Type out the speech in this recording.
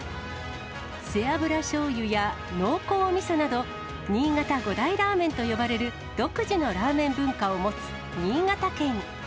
背脂しょうゆや濃厚みそなど、新潟５大ラーメンと呼ばれる独自のラーメン文化を持つ新潟県。